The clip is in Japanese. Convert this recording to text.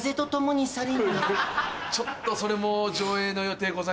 ちょっとそれも上映の予定ございません。